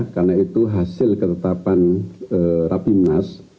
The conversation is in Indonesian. karena itu hasil ketetapan rapimnas